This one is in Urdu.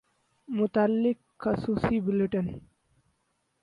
متعلق خصوصی بلیٹن